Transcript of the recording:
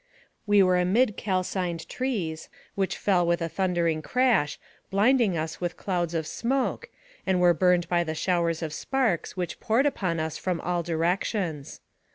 We were amid calcined trees, which fell with a thundering crash, blinding us with clouds of smoke, and were burned by the showers of sparks, which poured upon us from all directions.